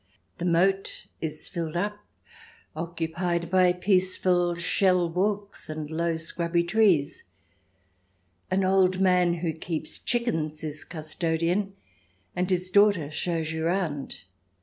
The moat is filled up, occupied by peaceful shell walks and low, scrubby trees. An old man who keeps chickens is custodian, and his daughter shows you round.